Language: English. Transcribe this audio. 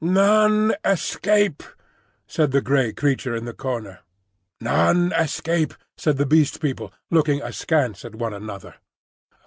"None escape," said the grey creature in the corner. "None escape," said the Beast People, looking askance at one another.